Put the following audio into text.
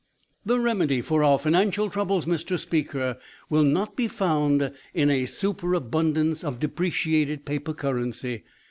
"The remedy for our financial troubles, Mr. Speaker, will not be found in a superabundance of depreciated paper currency.